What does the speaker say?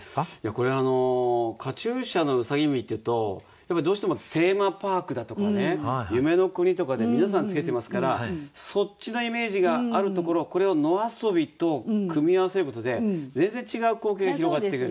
これあの「カチューシャのうさぎ耳」っていうとやっぱりどうしてもテーマパークだとかね夢の国とかで皆さんつけてますからそっちのイメージがあるところをこれを「野遊」と組み合わせることで全然違う光景が広がってくる。